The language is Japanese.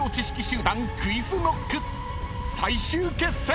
［最終決戦！］